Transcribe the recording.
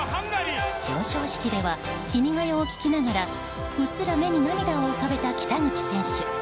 表彰式では「君が代」を聴きながらうっすら目に涙を浮かべた北口選手。